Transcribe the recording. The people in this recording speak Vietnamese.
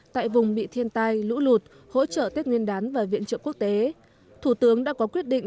tại vùng bị thiên tai lũ lụt hỗ trợ tết nguyên đán và viện trợ quốc tế thủ tướng đã có quyết định